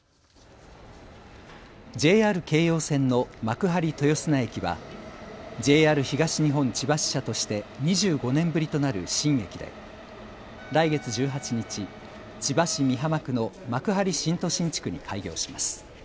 ＪＲ京葉線の幕張豊砂駅はＪＲ東日本千葉支社として２５年ぶりとなる新駅で来月１８日、千葉市美浜区の幕張新都心地区に開業します。